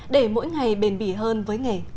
để mỗi ngày bền bỉ hơn với nghề